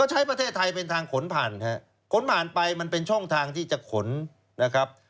ใช้ประเทศไทยเป็นทางขนผ่านครับขนผ่านไปมันเป็นช่องทางที่จะขนนะครับ